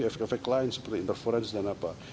efek efek lain seperti interference dan apa